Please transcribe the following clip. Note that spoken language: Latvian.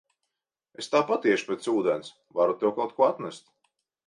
Es tāpat iešu pēc ūdens, varu tev kaut ko atnest.